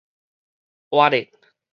活咧